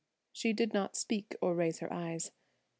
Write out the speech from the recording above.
She did not speak or raise her eyes.